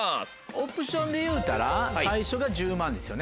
オプションでいうたら最初が１０万ですよね？